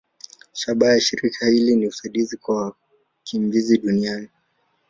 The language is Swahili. Shabaha ya shirika hili ni usaidizi kwa wakimbizi duniani.